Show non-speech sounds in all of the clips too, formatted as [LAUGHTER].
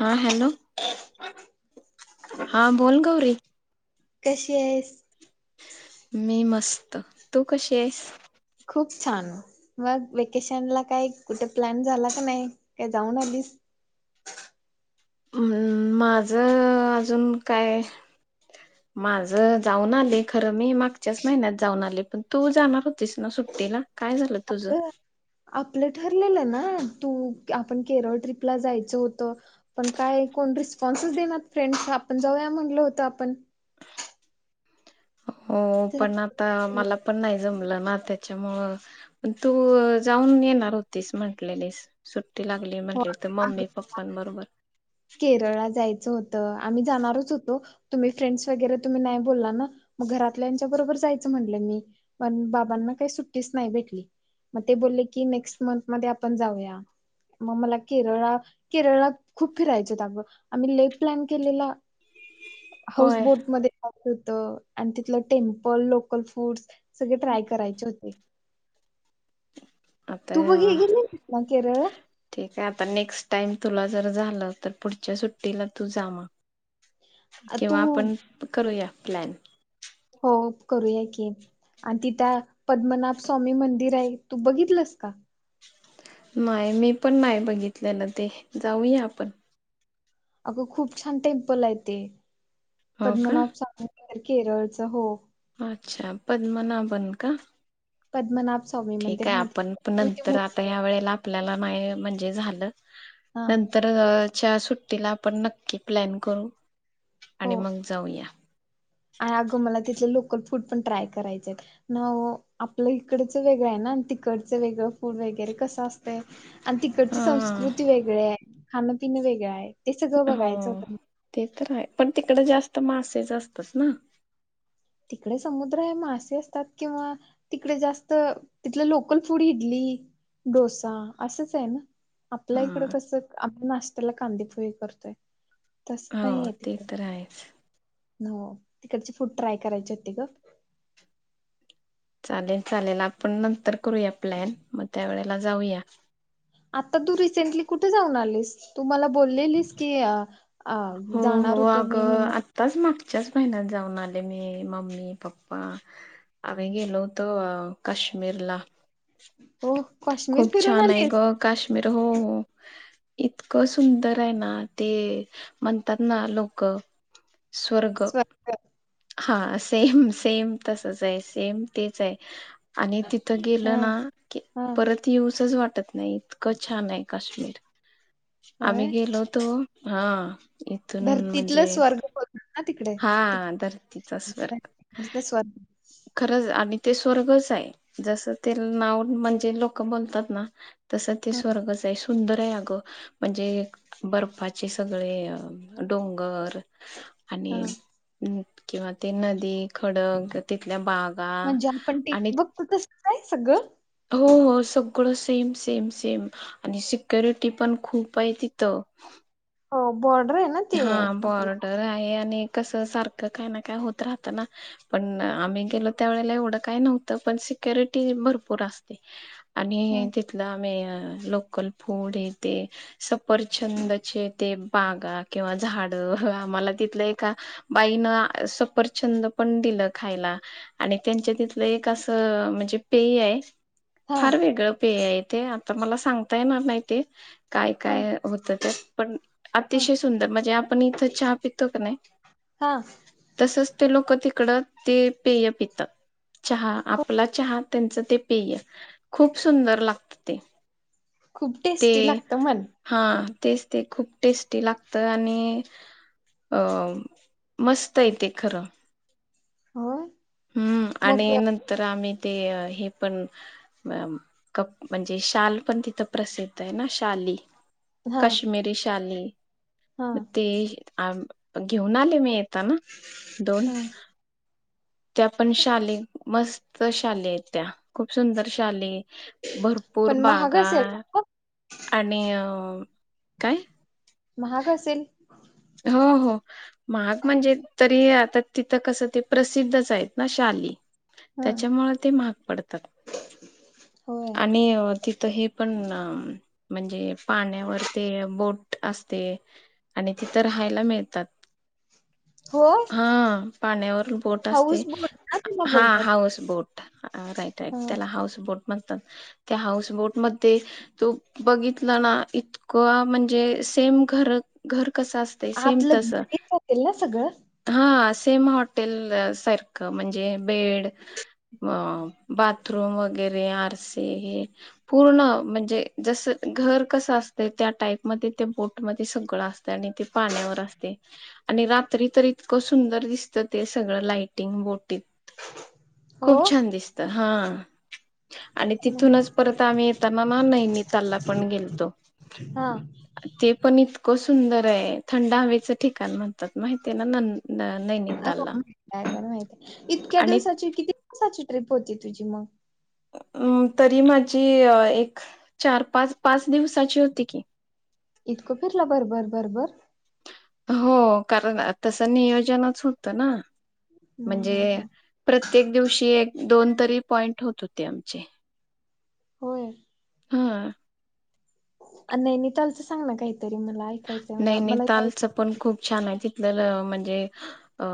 हा हॅलो हा बोल गौरी कशी आहेस? मी मस्त, तू कशी आहेस? खूप छान. मग वेकेशन ला काय कुठे प्लॅन झाला का नाही काय जाऊन आलीस? माझं अजून काय [INAUDIBLE] माझ जाऊन आले खरं मी मागच्याच महिन्यात जाऊन आले, पण तू जाणार होतीस ना सुट्टीला काय झालं तुझं? अगं आपलं ठरलेलं ना तू की आपण केरळ ट्रीपला जायचं होतं. पण काय कोण रिस्पॉन्सच देइनात फ्रेंड्स आपण जाऊया म्हटलं होतं आपण. हो पण आता मला पण नाही जमलं ना त्याच्यामुळं पण तू जाऊन येणार होतीस म्हटलेलीस. सुट्टी लागली हो म्हटले तर अगं मम्मी पप्पांबरोबर. केरळला जायचं होतं आम्ही जाणारच होतो तुम्ही फ्रेंडस वगैरे तुम्ही नाही बोलला ना मग घरातल्याच्या बरोबर जायचं म्हणलं मी पण बाबांना काही सुट्टीच नाही भेटली मग ते बोलले की नेक्स्ट मंथ मध्ये आपण जाऊया. मग मला केरळ केरळात खूप फिरायचं होतं अगं आम्ही लई प्लॅन केलेला. हाऊस होय बोट [UNINTELLIGIBLE] होत आणि तिथलं टेम्पल लोकल फूड्स सगळे ट्राय करायचे होते. तू बघ आताया हे गेली ना केरळला ठीक आहे आता नेक्स्ट टाइम तुला जर झालं तर पुढच्या सुट्टीला तू जा मग तू कीव्हा आपण करूया प्लॅन. हो करूया की, आणि तिथ पद्मनाभ स्वामी मंदिर आहे, तू बघितलंस का? नाही मी पण नाही बघितल्यालं ते जाऊया आपण. अगं खूप छान टेम्पल आहे ते हो का पद्मनाथ स्वामी केरळच हो. अच्छा पद्मना बन का? पद्मनाभ स्वामी. ठीक मंदिर आहे हा तिथे आपण विष्णूची नंतर आता मूर्ती आहे या वेळेला आपल्याला नाही म्हणजे झालं हा नंत तरच्या सुट्टीला आपण नक्की प्लॅन करू आणि मग जाऊया. आ अगं मला तिथले लोकल फूड पण ट्राय करायचे आहेत. नव्ह ओ आपल्या इकडच वेगळं आहे ना आणि तिकडचं वेगळं फूड वगैरे कसं असतंय आणि तिकडची हा संस्कृती वेगळी आहे खाणं पिणं वेगळं आहे. ते सगळं हो बघायचं होतं. ते तर आहे पण तिकडे जास्त मासेच असतात ना! तिकडे समुद्र आहे मासे असतात किंवा तिकडे जास्त तिथलं लोकल फूड इडली, डोसा असंच आहे ना. आपल्या इकड हा कसं आम्ही नाश्त्याला कांदे पोहे करतोय. तसं हो नाही आहे ते तिकडं तर आहेच हो तिकडचे फूड ट्राय करायचे होती गं! चालेल चालेल आपण नंतर करूया प्लॅन मग त्या वेळेला जाऊया. आता तू रिसेंटली कुठे जाऊन आलीस तू मला बोललेलीस की अ जाणार होतो मी म्हणून. आताच मागच्याच महिन्यात जाऊन आले मी, मम्मी, पप्पा. आम्ही गेलो होतो काश्मीरला. ओह काश्मीर खूप फिरून छान आहे ग आलीस! काश्मीर हो इतकं सुंदर आहे ना ते म्हणतात ना लोक स्वर्ग! हां सेम सेम तसंच आहे सेम तेच आहे. आणि तिथं गेलं हा ना की हा परत येऊसच वाटत नाही इतकं छान आहे काश्मीर आम्ही होय गेलो होतो हां इथून धरतीतलं म्हणजे स्वर्ग बोलतात ना तिकडे हा तिक धरतीचा स्वर [UNINTELLIGIBLE] खरंच आणि ते स्वर्गच आहे जसं ते नाव म्हणजे लोक बोलतात ना. तसं ते हा स्वर्गच आहे सुंदर आहे अगं. म्हणजे बर्फाचे सगळे डोंगर आणि हा किंवा ते नदी खडक तिथल्या बाग म्हणजे आपण टी व्ही त बघतो ते तसंच आहे सगळं? हो हो सगळं सेम सेम सेम. आणि सिक्युरिटी पण खूप आहे तिथं. हो बॉर्डर आहे ना ते हां आपलं बॉर्डर आहे, आणि कस सारखं काय ना काय होत राहत ना. पण आम्ही गेलो, त्या वेळेला एवढं काय नव्हतं, पण सिक्युरिटी भरपूर असते. आणि हे हं, तिथलं आम्ही लोकल फूड हे ते सपरचंदचे ते बागा किंवा झाडं आम्हाला तिथलं एका बाईन सपरचंद पण दिलं खायला. आणि त्यांच्या तिथलं एक असं म्हणजे पेय आहे. हा फार वेगळं पेय आहे, ते आता मला सांगता येणार नाही, ते काय हा काय होत त्यात पण हा अतिशय सुंदर म्हणजे आपण इथं चहा पितो की नाही हा तसच ते लोक तिकडं ते पेय पितात चहा हो आपला चहा त्यांचं ते पेय, खूप सुंदर लागत ते. खूप टेस्टी लागतं म्हण. हां तेच ते खूप टेस्टी लाग त आणि अ मस्त आहे ते खरं हं, हम्म, आणि नंतर आम्ही ते हे पण वम कप म्हणजे शाल पण तिथं प्रसिद्ध आहे ना, शाली. हा कश्मिरी शाली हा ते आम घेऊन आले मी. येताना दोन हा त्या पण शाली मस्त शाली आहेत त्या. खूप सुंदर शाली भरपूर पण महाग बागा असेल ना ग आणि अ काय? महाग असेल? हो हो, महाग म्हणजे तरी आता तिथं कसं ते प्रसिद्धच आहेत ना शाली हं, त्याच्यामुळ ते महाग पडतात. [INAUDIBLE] आणि तिथं हे पण म्हणजे पाण्यावर ते बोट असते. आणि तिथं राहायला मिळतात. होय, हा, पाण्यावर बोट असते. हाऊस बोट ना त्याला हा, बोलतात. हाऊस बोट राईट राईट हं, त्याला हाऊस बोट म्हणतात. त्या हाऊस बोटमध्ये तू बघितलं ना, इतका म्हणजे सेम घर, घर कसं अस ते सेम आतलं तस घरीच असेल ना सगळं? हा, सेम हॉटेल सारखं म्हणजे बेड अ, बाथरूम वगैरे आरसे हे पूर्ण म्हणजे जस घर कसं असत. त्या टाईप मध्ये ते बोटमध्ये सगळं अ ते आणि ते पाण्यावर असते. आणि रात्री तर इतकं सुंदर दिसतं ते सगळं लाइटिंग बोटीत हो. खूप छान दिसतं. हा, आणि हम्म. तिथूनच परत आम्ही येताना ना, नैनितालला पण गेलतो. हा, ते पण इतकं सुंदर आहे. थंड हवेच ठिकाण म्हणतात माहिती आहे ना नै [UNINTELLIGIBLE] माहित आहे. इतक्या आणि दिवसाची किती दिवसाची ट्रिप होती तुझी मग अ, तरी माझी एक चार पाच पाच दिवसाची होती की, इतकं फिरला भरभर भरभर. हो. कारण तसं नियोजनच होत ना हा म्हणजे हा हा, प्रत्येक दिवशी एक दोन तरी पॉइंट होत होते आमचे. होय. हम्म, नैनितालच सांग ना काही? नैनितालच पण खूप छान आहे तिथलं म्हणजे अ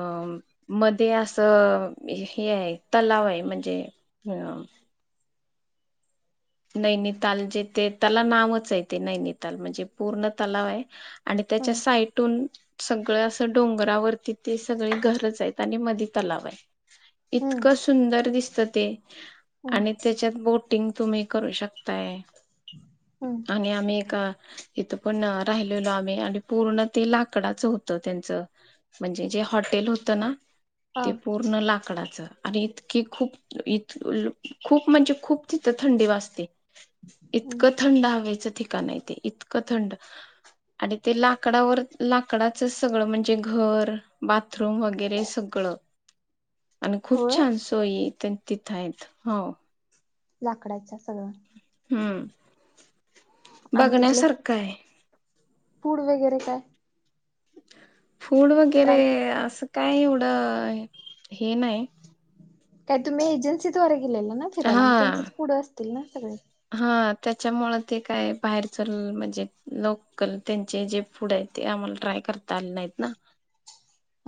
म ते असं हे आहे, तलाव आहे म्हणजे [UNINTELLIGIBLE] नैनिताल जे ते त्याला नावच आहे ते नैनिताल म्हणजे पूर्ण तलाव आहे. आणि हा, त्याच्या साइटून सगळं असं डोंगरावरती ते सगळे घरच आहेत आणि मधी तलाव आहे. हं, इतकं सुंदर दिसतं ते हं, आणि त्याच्यात बोटिंग तुम्ही करू शकताय हं, आणि आम्ही एका इथं पण राहिलेलो आम्ही आणि पूर्ण ते लाकडाचं होत त्यांचं म्हणजे जे हॉट तेल होत ना हा, ते पूर्ण पूर्ण लाकडाचं आणि इतकी खूप इत खूप म्हणजे खूप तिथं थंडी वाजत हं. इतकं थंड हवेचं ठिकाण आहे ते इतकं थंड. आणि ते लाकडावर लाकडाचं सगळं म्हणजे घर बात थरूम वगैरे सगळं. अणि खूप होय? छान सोयीतेन तिथं आहेत हो. लाकडाच सगळं. हम्म. आणि तिथलं बघण्यासारखं आहे फूड वगैरे काय. फूड वगैरे ट्राय केलं? असं काय एवढं हे नाही. काय तुम्ही एजन्सीद्वारे गेले ना फिरायला मग हा त्यांच्याच पुढं असतील ना सगळे. हा त्याच्यामुळे ते काय बाहेरच म्हणजे लोकल त्यांचे जे फूड आहे ते आम्हाला ट्राय करता आले नाहीत ना.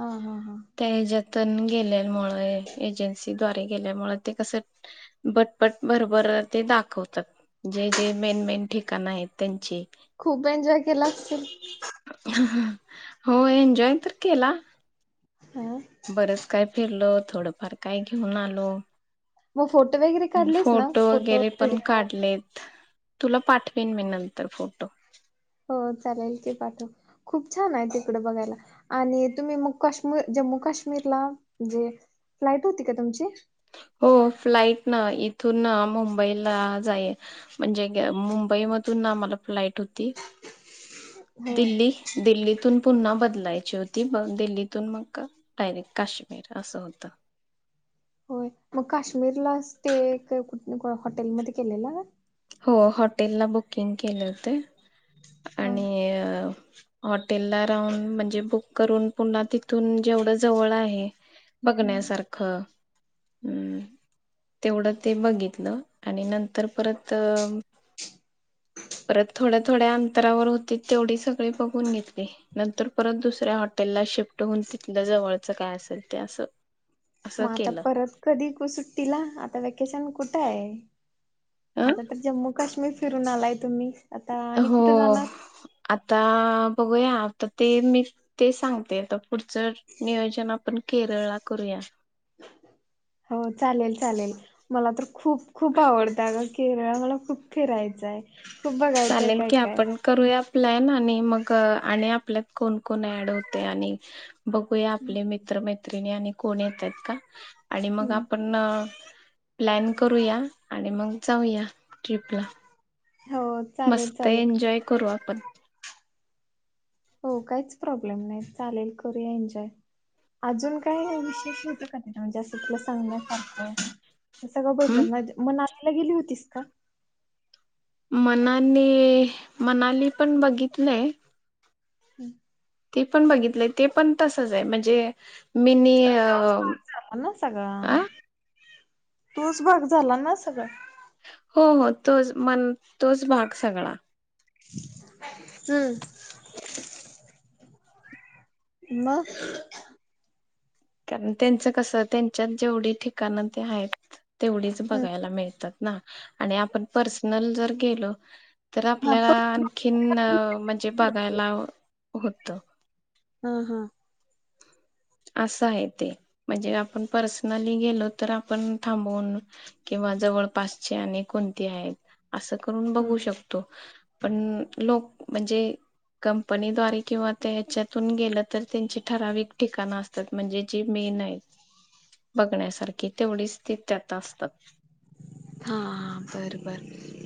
हा हा हा. त्या हच्यातन गेल्यामुळे एजन्सीद्वारे गेल्यामुळे ते कसं बटपट भरभर ते दाखवतात. जे जे मेन मेन ठिकाणं आहेत त्यांची. खूप एन्जॉय केला असशील. हो एन्जॉय तर केला. हम्म. बरंच काय फिरलो थोडंफार काही घेऊन आलो. म फोटो वगैरे काढलेस ना फोटो वगैरे पण व्हिडिओ काढलेत तुला पाठवेन मी नंतर फोटो. हो चालेल की पाठव खूप छान आहे तिकडे बघायला. आणि तुम्ही काश्मीर जम्मू काश्मीरला म्हणजे फ्लाइट होती का तुमची. हो फ्लाइट ना इथून मुंबईला जाई म्हणजे मुंबईमधून ना आम्हाला फ्लाईट होती. होय दिल्ली दिल्लीतून पुन्हा बदलायची होती मग दिल्लीतून मग डायरेक्ट काश्मीर. र असं होत. होय मग काश्मीरला स्टे कुठ हॉटेलमध्येध्ये केलेला का? हो हॉटेलला बुकिंग केले होते हा आणि हॉटेल ला राहून म्हणजे बुक करून पुन्हा तिथून जेवढं जवळ आहे. बघण्यासारखं ख तेवढं ते बघितलं आणि नंतर परत त परत थोड्या थोड्या अंतरावर होती तेवढी सगळी बघून घेतली. नंतर परत दुसऱ्या हॉटेलला शिफ्ट होऊन तिथलं जवळचं काय असल ते असं असं मग आता केलं परत कधी कु सुट्टीला आता वेकेशन कुठं हाय. आता अ तर जम्मू काश्मीर फिरून आलाय तुम्ही. आता अ आणि हो कुठे जाणार? आता बघूया आता ते मीच तेच सांगते आता पुढचं नियोजन आपण केरळला करूया. हो चालेल चालेल मला तर खूप खूप आवडत अग. केरळ मला खूप फिरायच हाय खूप बघायचंय चालेल काय की काय. आपण करूया प्लॅन आणि मग, आणि आपल्यात कोण- कोण ऍड होतय. आणि बघूया हम्म आपले मित्रमैत्रिणी आणि कोण येतात का? आणि मग आपण न प्लॅन करूया. आणि मग जाऊया, ट्रिपला. हो. चालेल मस्त चालेल. एन्जॉय करू आपण. हो काहीच प्रॉब्लेम नाही. चालेल, करूया एन्जॉय. अजून काही विशेष होतं का तिथं? ना म्हणजे असं, तुला सांगण्यासारखं. सगळं बदलन हम्म त मनालीला गेली होतीस का? मनाली, मनाली पण बघितलय हम्म. ते पण बघितलंय. ते पण तसचय. म्हणजे, मिनी तर अ तोच भाग झाला ना अ सगळां. तोच भाग झाला ना सगळा. हो, हो, तोच. मन तोच भाग सगळा. [INAUDIBLE] हम्म. मग? कारण त्यांचं कसं, त्यांच्यात जेवढी ठिकाणं ते हायत, तेवढीच हम्म. बघायला मिळतात ना. आणि आपण पर्सनल जर गेलो, तर हा आपल्याला पण आन खीन म्हणजे, बघायला होतं. हा, हा. असं हाय ते. म्हणजे आपण पर्सनली गेलो तर, आपण थांबवून किंवा जवळपासचे आणि कोणती हायत, असं करून हा. बघू शकतो. पण लोक, म्हणजे कंपनीद्वारे किंवा, त्या हच्यातून गेलं तर, त्यांची ठराविक ठिकाणं असतात. म्हणजे, जी मेनयत. बघण्यासारखी, तेवढीच ती त्यात असतात. हा, हा. बर- बर,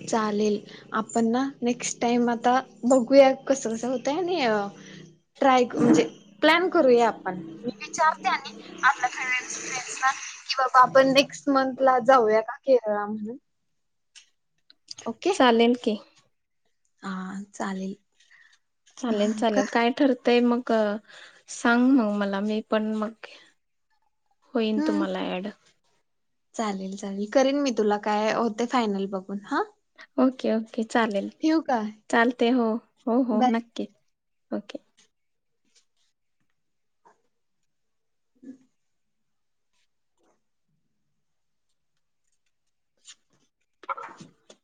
चालेल. आपण ना, नेक्स्ट टाइम आता, बघूया. कसं-कसं होतंय. आणि ट्राय करू, म्हणजे प्लॅन करूया, आपण. मी विचारते आणि आपल्या फ्रेंड्स-फ्रेंडसला, किंवा बाबा आपण नेक्स्ट मंथला जाऊया का, केरळला म्हणून. ओके. चालेल की. हा, चालेल. चालेल, चालेल. हम्म. काय ठरतंय मग, सांग मग मला. मी पण मग होईन तुम्हाला ऍड. चालेल, चालेल. करेन मी तुला, काय होते. फायनल बघून. हा. Okay, okay. चालेल. ठेवू का चालतय, हो. हो, हो. बाय. नक्की. ओके. ह. [INAUDIBLE]